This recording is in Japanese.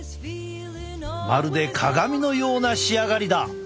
まるで鏡のような仕上がりだ！